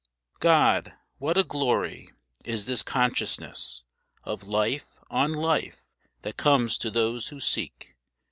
GOD, what a glory, is this consciousness, Of life on life, that comes to those who seek!